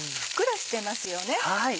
ふっくらしてますよね。